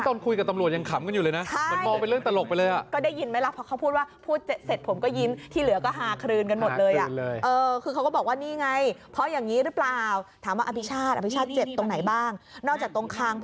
ตอนคุยกับตำรวจยังขำกันอยู่เลยนะใช่มันมองเป็นเรื่องตลกไปเลยอ่ะ